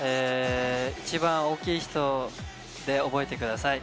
一番大きい人で覚えてください。